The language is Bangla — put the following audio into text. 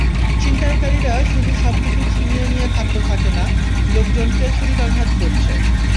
ছিনতাইকারীরা শুধু সবকিছু ছিনিয়ে নিয়ে ক্ষান্ত থাকে না, লোকজনকে ছুরিকাঘাত করছে।